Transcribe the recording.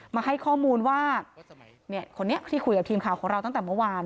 มาให้ข้อมูลว่าคนนี้ที่คุยกับทีมข่าวของเราตั้งแต่เมื่อวาน